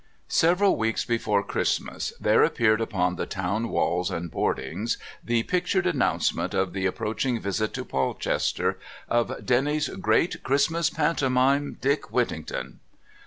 Several weeks before Christmas there appeared upon the town walls and hoardings the pictured announcements of the approaching visit to Polchester of Denny's Great Christmas Pantomime "Dick Whittington."